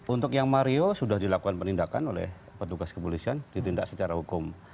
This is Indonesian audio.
untuk yang mario sudah dilakukan penindakan oleh petugas kepolisian ditindak secara hukum